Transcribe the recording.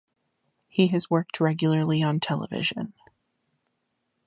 He has worked regularly on television.